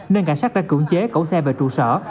nên cảnh sát đã cưỡng chế cẩu xe về trụ sở